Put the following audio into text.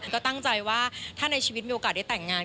ก็ตั้งใจว่าถ้าในชีวิตมีโอกาสได้แต่งงาน